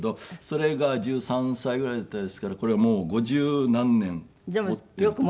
それが１３歳ぐらいだったですからこれはもう五十何年持っている時計。